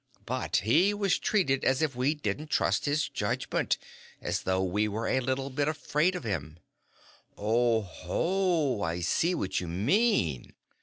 But he was treated as if we didn't trust his judgment, as though we were a little bit afraid of him." "Oh ho! I see what you mean."